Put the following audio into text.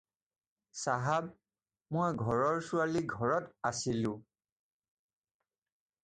চাহাব, মই ঘৰৰ ছোৱালী ঘৰত আছিলোঁ।